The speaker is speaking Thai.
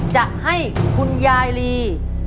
จะให้คุณยายลี